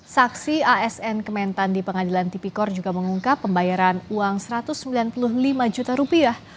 saksi asn kementan di pengadilan tipikor juga mengungkap pembayaran uang satu ratus sembilan puluh lima juta rupiah